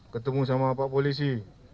ketemu sama pak polisi